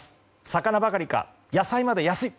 魚ばかりか野菜まで安い。